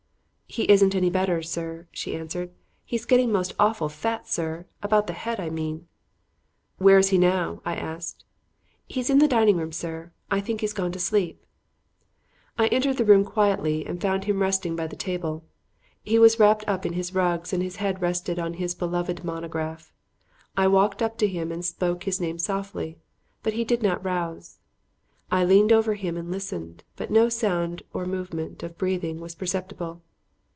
"He isn't any better, sir," she answered. "He's getting most awful fat, sir; about the head I mean." "Where is he now?" I asked. "He's in the dining room, sir; I think he's gone to sleep." I entered the room quietly and found him resting by the table. He was wrapped up in his rugs and his head rested on his beloved monograph. I walked up to him and spoke his name softly, but he did not rouse. I leaned over him and listened, but no sound or movement of breathing was perceptible.